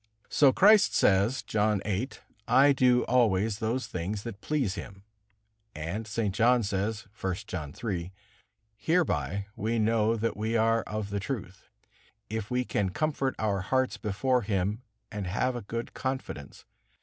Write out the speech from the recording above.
So Christ says, John viii: "I do always those things that please Him." And St. John says, I. John iii: "Hereby we know that we are of the truth, if we can comfort our hearts before Him and have a good confidence.